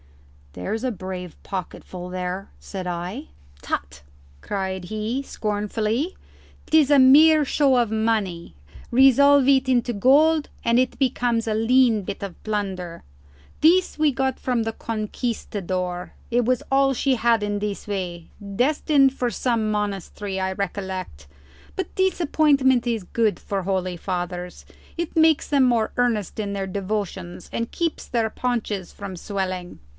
"There's a brave pocketful there," said I. "Tut!" cried he, scornfully. "'Tis a mere show of money; resolve it into gold and it becomes a lean bit of plunder. This we got from the Conquistador; it was all she had in this way; destined for some monastery, I recollect; but disappointment is good for holy fathers; it makes them more earnest in their devotions and keeps their paunches from swelling."